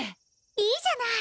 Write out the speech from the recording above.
いいじゃない！